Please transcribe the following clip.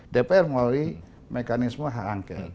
dpr melalui mekanisme hak angket